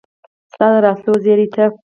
ستا د راتلو زیري ته